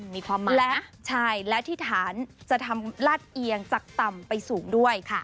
มีความหมายและใช่และอธิษฐานจะทำลาดเอียงจากต่ำไปสูงด้วยค่ะ